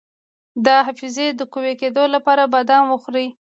د حافظې د قوي کیدو لپاره بادام وخورئ